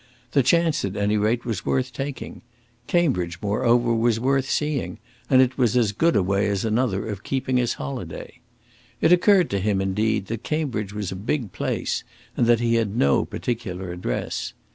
The chance, at any rate, was worth taking; Cambridge, moreover, was worth seeing, and it was as good a way as another of keeping his holiday. It occurred to him, indeed, that Cambridge was a big place, and that he had no particular address.